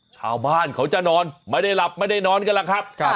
ชาวบ้านเขาจะนอนไม่ได้หลับไม่ได้นอนกันล่ะครับ